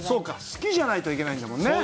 好きじゃないといけないんだもんね。